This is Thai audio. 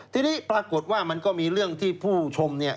ทีนี้ปรากฏว่ามันก็มีเรื่องที่ผู้ชมเนี่ย